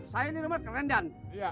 saya ini rumah keren dan